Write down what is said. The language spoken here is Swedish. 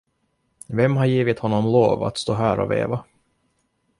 Vem har givit honom lov att stå här och veva?